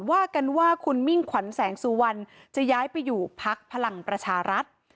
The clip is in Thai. ว่ากันว่าคุณมิ่งขวัญแสงสุวรรณจะย้ายไปอยู่พักพลังประชารัฐ